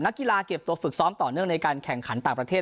กีฬาเก็บตัวฝึกซ้อมต่อเนื่องในการแข่งขันต่างประเทศ